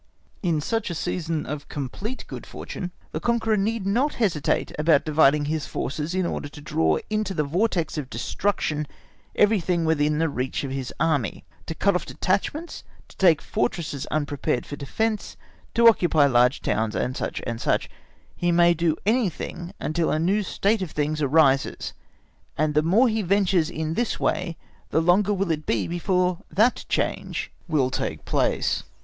In such a season of complete good fortune, the conqueror need not hesitate about dividing his forces in order to draw into the vortex of destruction everything within reach of his Army, to cut off detachments, to take fortresses unprepared for defence, to occupy large towns, &c. &c. He may do anything until a new state of things arises, and the more he ventures in this way the longer will it be before that change will take place.